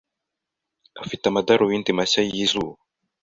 afite amadarubindi mashya yizuba.